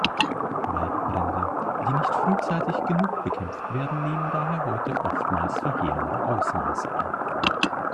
Waldbrände, die nicht frühzeitig genug bekämpft werden, nehmen daher heute oftmals verheerende Ausmaße an.